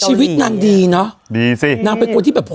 ชีวิตนั่งดีเนาะดีซิ